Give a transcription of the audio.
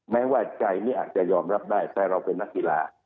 แม้ว่าใจนี่อาจจะยอมรับได้แต่เราเป็นนักกีฬา